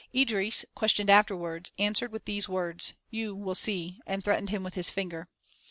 Idris, questioned afterwards, answered with these words: "You will see!" and threatened him with his finger.